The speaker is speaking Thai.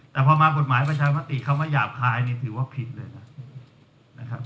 แต่พอมากฎหมายประชามติคำว่าหยาบคายนี่ถือว่าผิดเลยนะครับ